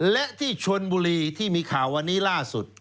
และที่ชนบุรีที่มีข่าววันนี้ล่าสุด